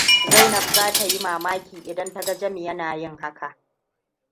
Zainab za ta yi mamaki idan ta ga Jami yana yin haka.